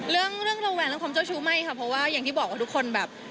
เรื่องเรื่องระแวงเรื่องความเจ้าชู้ไม่ค่ะเพราะว่าอย่างที่บอกว่าทุกคนแบบ